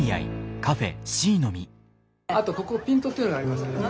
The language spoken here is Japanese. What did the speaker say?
あとここピントっていうのがありますよね。